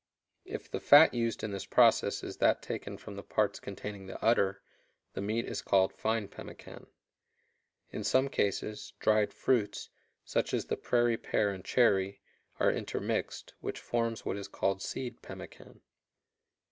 If the fat used in this process is that taken from the parts containing the udder, the meat is called fine pemmican. In some cases, dried fruits, such as the prairie pear and cherry, are intermixed, which forms what is called seed pemmican.